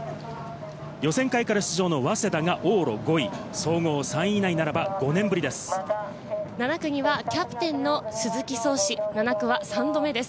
予選会から出場の早稲田が往路５位、総合３位以内ならば７区にはキャプテンの鈴木創士、７区は３度目です。